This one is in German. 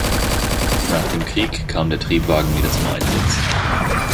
Nach dem Krieg kam der Triebwagen wieder zum Einsatz.